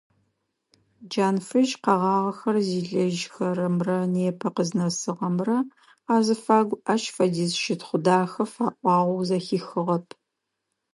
Джанфыжь къэгъагъэхэр зилэжьхэрэмрэ непэ къызнэсыгъэмрэ къазыфагу ащ фэдиз щытхъу дахэ фаӏуагъэу зэхихыгъэп.